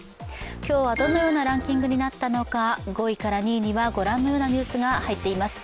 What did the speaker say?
今日はどのようなランキングになったのか５位から２位にはご覧のようなニュースが入っています。